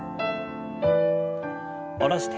下ろして。